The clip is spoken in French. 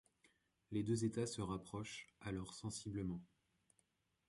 Les deux États se rapprochent alors sensiblement.